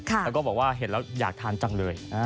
แล้วก็บอกว่าเห็นแล้วอยากทานจังเลย